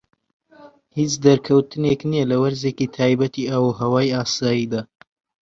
هیچ دەرکەوتنێک نیە لە وەرزێکی تایبەتی ئاوهەوای ئاساییدا.